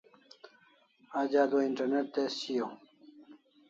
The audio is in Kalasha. Aj adua internet tez shiau